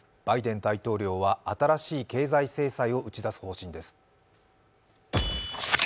バイデン大統領は新しい経済制裁を打ち出す方針です。